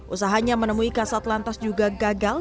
usahanya menemui kasat lantas juga gagal